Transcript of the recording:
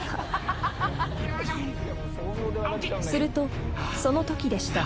［するとそのときでした］